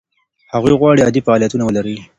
هغوی غواړي عادي فعالیتونه ولري.